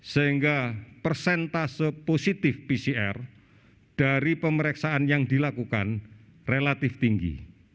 sehingga persentase positif pcr dari pemeriksaan yang dilakukan relatif tinggi